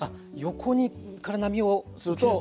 横から波を受けると。